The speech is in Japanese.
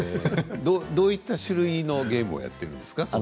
どういった種類のゲームをやってるんですか？